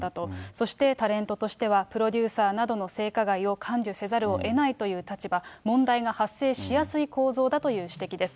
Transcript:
そしてタレントとしては、プロデューサーなどの性加害を甘受せざるをえないという立場、問題が発生しやすい構造だという指摘です。